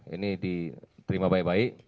ini diterima baik baik